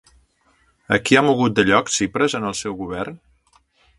A qui ha mogut de lloc Tsipras en el seu govern?